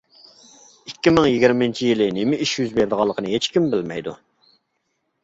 ئىككى مىڭ يىگىرمىنچى يىلى نېمە ئىش يۈز بېرىدىغانلىقىنى ھېچكىم بىلمەيدۇ.